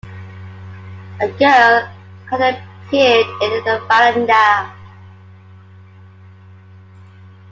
A girl had appeared in the verandah.